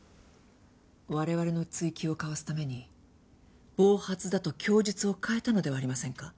我々の追及をかわすために暴発だと供述を変えたのではありませんか？